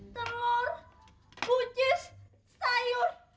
telur kucis sayur